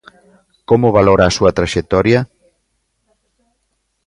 Como valora a súa traxectoria?